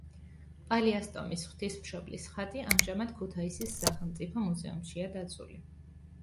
პალიასტომის ღვთისმშობლის ხატი ამჟამად ქუთაისის სახელმწიფო მუზეუმშია დაცული.